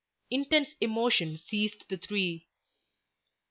Intense emotion seized the three.